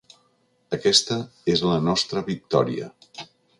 Aquesta és la nostra victòria.